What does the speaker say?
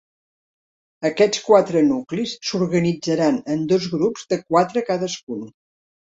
Aquests quatre nuclis s'organitzaran en dos grups de quatre cadascun.